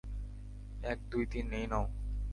এক দুই তিন, এই নাও।